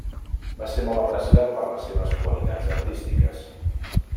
Va ser molt apreciat per les seves qualitats artístiques.